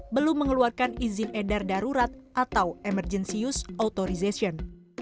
belum mengeluarkan izin edar darurat atau emergency use authorization